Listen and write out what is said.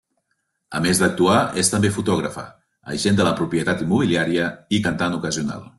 A més d'actuar, és també fotògrafa, agent de la propietat immobiliària i cantant ocasional.